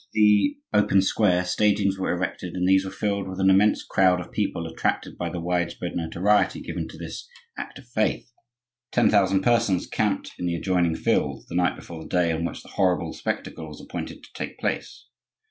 Around the open square, stagings were erected, and these were filled with an immense crowd of people attracted by the wide spread notoriety given to this "act of faith." Ten thousand persons camped in the adjoining fields the night before the day on which the horrible spectacle was appointed to take place.